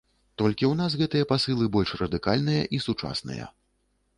Толькі ў нас гэтыя пасылы больш радыкальныя і сучасныя.